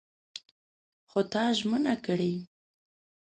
خو تا ژمنه کړې!